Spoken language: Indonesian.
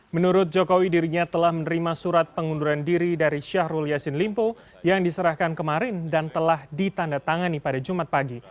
menurut jokowi dirinya telah menerima surat pengunduran diri dari syahrul yassin limpo yang diserahkan kemarin dan telah ditanda tangani pada jumat pagi